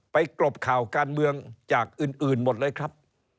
กรบข่าวการเมืองจากอื่นหมดเลยครับ